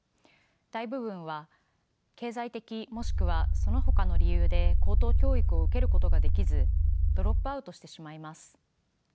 大部分は経済的もしくはそのほかの理由で高等教育を受けることができずドロップアウトしてしまいます。